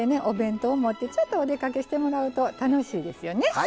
お弁当を持ってちょっとお出かけしてもらうと楽しいですよね。